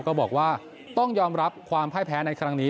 ก็บอกว่าต้องยอมรับความพ่ายแพ้ในครั้งนี้